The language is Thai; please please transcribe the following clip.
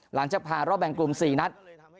หลังจากผ่านรอบแบ่งกลุ่ม๔นัด